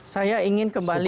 saya ingin kembali